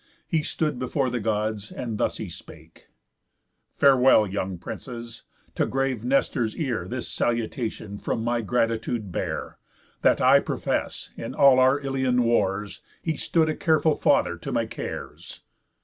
He stood before the Gods, and thus he spake: "Farewell young Princes! To grave Nestor's ear This salutation from my gratitude bear: That I profess, in all our Ilion wars, He stood a careful father to my cares."